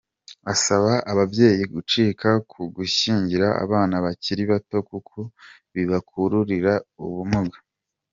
Asaba ababyeyi gucika ku gushyingira abana bakiri bato kuko bibakururira ubumuga.